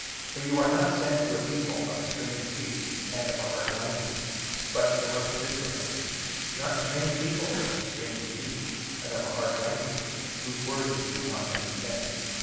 26:003:005 For thou art not sent to a people of a strange speech and of an hard language, but to the house of Israel; 26:003:006 Not to many people of a strange speech and of an hard language, whose words thou canst not understand.